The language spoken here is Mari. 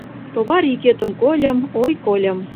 Товар йӱкетым кольым, ой, кольым.